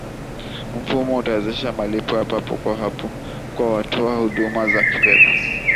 mfumo utawezesha malipo ya papo kwa hapo kwa watoa huduma za kifedha